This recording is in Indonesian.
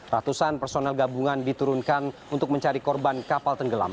ratusan personel gabungan diturunkan untuk mencari korban kapal tenggelam